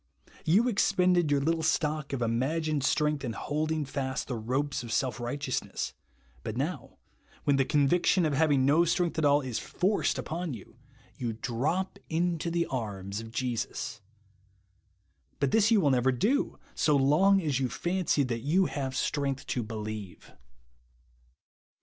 You expended your little stock of imagined strength in holding fast the ropes of self righteousness, but now, when the conviction of having no strength at all is forced upon you, you drop into the arms of Jesus. But this you will never do, so long as you fancy that you have strength to believe. 142 THE WANT OF POWER TO BELIEVE.